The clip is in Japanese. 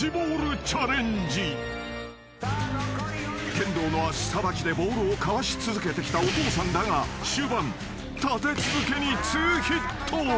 ［剣道の足さばきでボールをかわし続けてきたお父さんだが終盤立て続けにツーヒット］